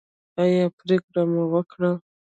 ایا پریکړه مو وکړه؟